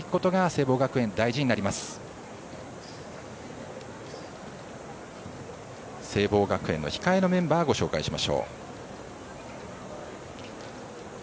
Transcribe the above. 聖望学園の控えのメンバーをご紹介しましょう。